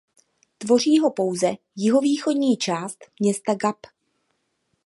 Tvoří ho pouze jihovýchodní část města Gap.